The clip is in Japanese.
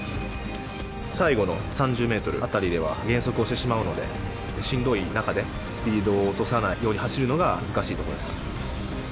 最後の３０メートル辺りでは、減速をしてしまうので、しんどい中でスピードを落とさないように走るのが難しいところですかね。